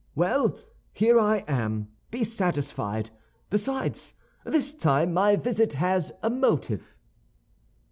Well, here I am; be satisfied. Besides, this time, my visit has a motive."